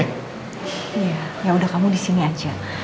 iya ya udah kamu disini aja